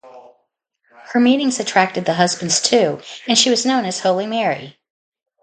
Her meetings attracted the husbands too and she was known as "Holy Mary".